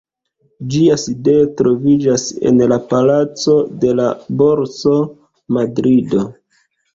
Ĝia sidejo troviĝas en la Palaco de la Borso, Madrido.